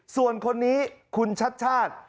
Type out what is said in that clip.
ส่วนคนนี้คุณชัดชาติ